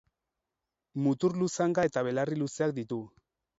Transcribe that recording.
Mutur luzanga eta belarri luzeak ditu.